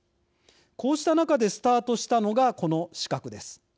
こうした中でスタートしたのが、この資格です。